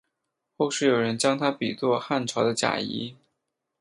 后世有人将他比作汉朝的贾谊。